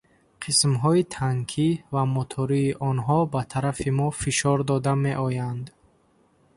Қисмҳои танкӣ ва мотории онҳо ба тарафи мо фишор дода меоянд.